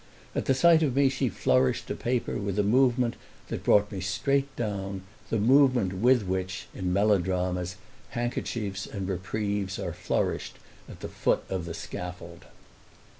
At sight of me she flourished a paper with a movement that brought me straight down, the movement with which, in melodramas, handkerchiefs and reprieves are flourished at the foot of the scaffold.